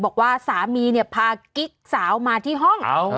บอกว่าสามีเนี่ยพากิ๊กสาวมาที่ห้อง